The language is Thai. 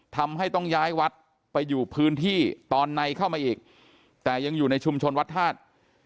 ทำให้ต้องย้ายวัดไปอยู่พื้นที่ตอนในเข้ามาอีกแต่ยังอยู่ในชุมชนวัดธาตุ